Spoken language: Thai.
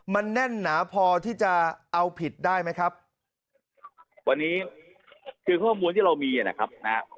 มันแน่นหนาพอที่จะเอาผิดได้ไหมครับวันนี้คือข้อมูลที่เรามีนะครับนะฮะ